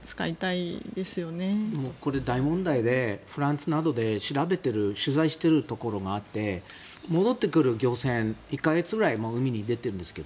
これ、大問題でフランスなどで取材しているところがあって戻ってくる漁船、１か月ぐらい海に出ているんですが。